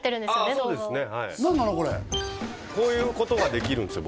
動画をこういうことができるんですよ